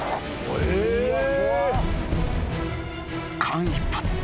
［間一髪。